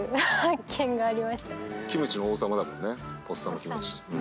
キムチの王様だもんねポッサムキムチ。